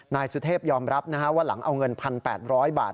นายสุเทพยอมรับว่าหลังเอาเงิน๑๘๐๐บาท